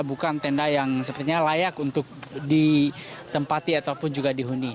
bukan tenda yang sepertinya layak untuk ditempati ataupun juga dihuni